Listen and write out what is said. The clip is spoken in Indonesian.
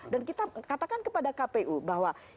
dan kita katakan kepada kpu bahwa